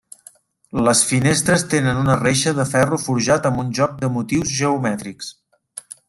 Les finestres tenen una reixa de ferro forjat amb un joc de motius geomètrics.